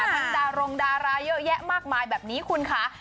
ดารงดาราเยอะแยะมากมายแบบนี้คุณค่ะ